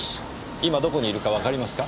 今どこにいるかわかりますか？